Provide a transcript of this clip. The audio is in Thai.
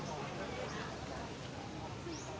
สวัสดีสวัสดี